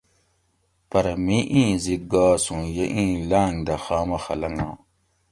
پرہ می ایں زِد گاس اوں یہ ایں لانگ دہ خامخہ لنگاں